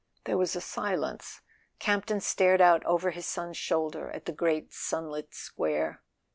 There was a silence. Campton stared out over his son's shoulder at the great sunlit square.